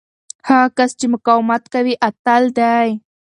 هغه کس چې مقاومت کوي، اتل دی.